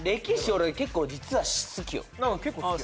俺結構実は好きよなあ？